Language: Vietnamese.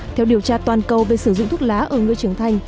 theo điều tra toàn cầu về sử dụng thuốc lá ở người trưởng thành